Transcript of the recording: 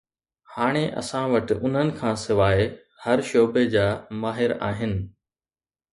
هاڻي اسان وٽ انهن کان سواءِ هر شعبي جا ماهر آهن